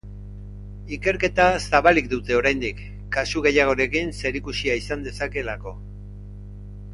Ikerketa zabalik dute oraindik kasu gehiagorekin zerikusia izan dezakeelako.